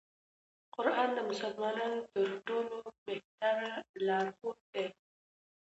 قرآن د مسلمانانو تر ټولو بهتر لار ښود دی.